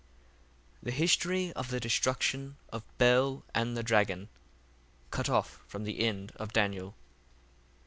The History of the Destruction of Bel and the Dragon Cut off from the end of Daniel.